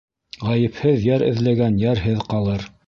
Ғәйепһеҙ йәр эҙләгән йәрһеҙ ҡалыр.